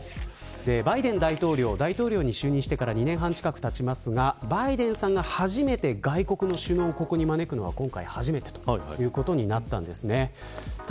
バイデン大統領が就任してから２年半近くたちますがバイデンさんが初めて外国の首脳をここに招くのは初めてとなりました。